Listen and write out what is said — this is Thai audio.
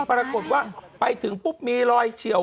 ปรากฏว่าไปถึงปุ๊บมีรอยเฉียว